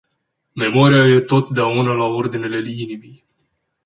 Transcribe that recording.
Memoria e totdeauna la ordinele inimii.